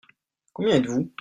Combien êtes-vous ?